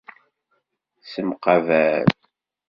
Semqabal.